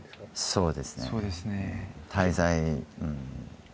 そうですね。